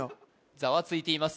ざわついています